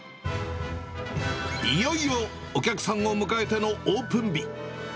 いよいよお客さんを迎えてのオープン日。